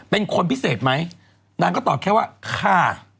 เป็นคนพิเศษไหมนางก็ตอบแค่ว่าค่ะ